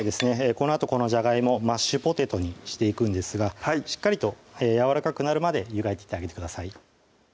このあとこのじゃがいもをマッシュポテトにしていくんですがしっかりとやわらかくなるまで湯がいていってあげてください